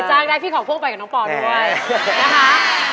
จ้างได้พี่ขอพ่วงไปกับน้องปอด้วยนะคะ